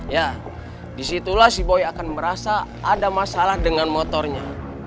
ya disitulah si boya akan merasa ada masalah dengan motornya